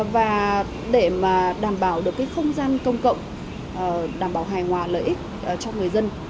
và để đảm bảo được cái không gian công cộng đảm bảo hài hòa lợi ích cho người dân